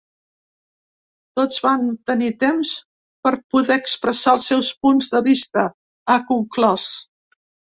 Tots van tenir temps per poder expressar els seus punts de vista, ha conclòs.